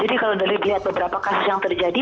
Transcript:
jadi kalau dari lihat beberapa kasus yang terjadi